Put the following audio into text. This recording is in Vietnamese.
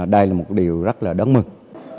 đây là một điều rất là đáng mừng